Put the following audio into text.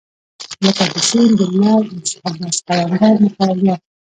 لکه د سیند د لعل او شهباز قلندر متولیان.